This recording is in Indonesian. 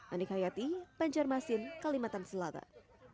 anik hayati banjarmasin kalimantan selatan